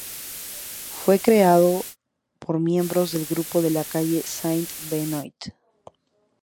Fue creado por miembros del grupo de la calle Saint-Benoît.